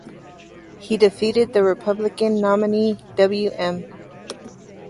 He defeated the Republican nominee Wm.